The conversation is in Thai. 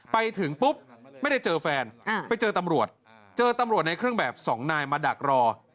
ไปถึงปุ๊บไม่ได้เจอแฟนไปเจอตำรวจเจอตำรวจในเครื่องแบบสองนายมาดักรอ